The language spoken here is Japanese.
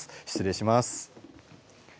失礼します。